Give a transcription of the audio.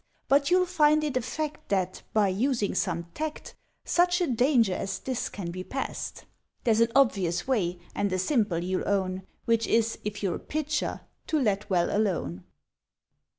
But you'll find it a fact That, by using some tact, Such a danger as this can be past. (There's an obvious way, and a simple, you'll own, Which is, if you're a Pitcher, to Let Well alone.)